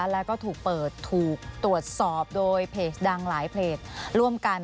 แล้วก็ถูกเปิดถูกตรวจสอบโดยเพจดังหลายเพจร่วมกัน